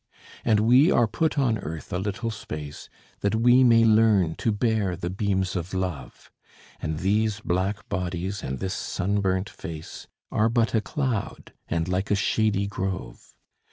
"And we are put on earth a little space, That we may learn to bear the beams of love; And these black bodies and this sunburnt face Are but a cloud, and like a shady grove.